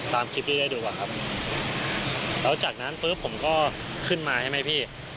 ตามคลิปที่ได้ดูอะครับแล้วจากนั้นปุ๊บผมก็ขึ้นมาใช่ไหมพี่